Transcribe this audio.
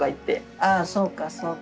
あそうかそうか。